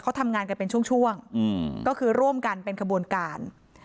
เขาทำงานกันเป็นช่วงก็คือร่วมกันเป็นขบวนการ